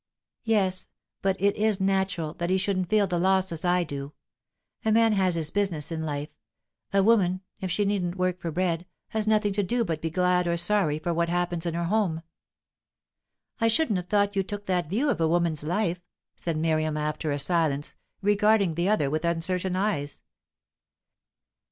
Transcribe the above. "Yes, but it is natural that he shouldn't feel the loss as I do. A man has his business in life; a woman, if she needn't work for bread, has nothing to do but be glad or sorry for what happens in her home." "I shouldn't have thought you took that view of a woman's life," said Miriam, after a silence, regarding the other with uncertain eyes.